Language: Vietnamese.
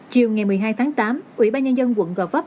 chiều ngày một mươi hai tháng tám ủy ban nhân dân quận gò vấp